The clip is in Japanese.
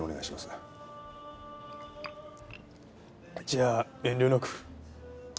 じゃあ遠慮なく。